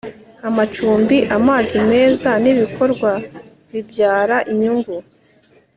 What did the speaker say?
amacumbi, amazi meza n'ibikorwa bibyara inyungu